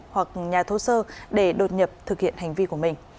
hoặc nhà thô sơ để đột nhập thực hiện hành vi của mình